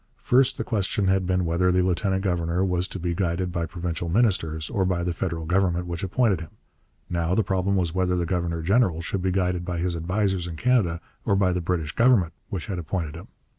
First the question had been whether the lieutenant governor was to be guided by provincial ministers or by the federal government which appointed him. Now the problem was whether the governor general should be guided by his advisers in Canada, or by the British Government which had appointed him.